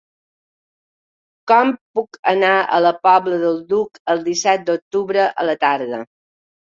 Com puc anar a la Pobla del Duc el disset d'octubre a la tarda?